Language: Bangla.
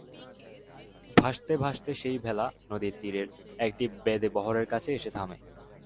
ভাসতে ভাসতে সেই ভেলা নদীর তীরের একটি বেদে বহরের কাছে এসে থামে।